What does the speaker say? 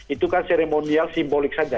itu kan seremonial simbolik saja